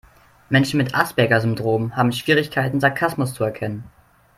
Menschen mit Asperger-Syndrom haben Schwierigkeiten, Sarkasmus zu erkennen.